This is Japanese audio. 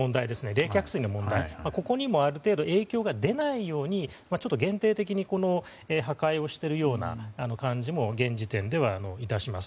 冷却水の問題にもある程度、影響が出ないように、限定的に破壊をしているような感じも現時点では致します。